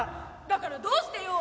「だからどうしてよ？」。